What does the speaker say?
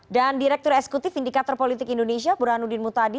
dan direktur eskutif indikator politik indonesia burhanudin mutadi